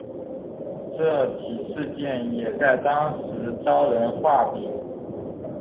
这起事件也在当时招人话柄。